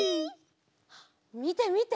みてみて！